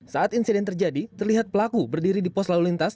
saat insiden terjadi terlihat pelaku berdiri di pos lalu lintas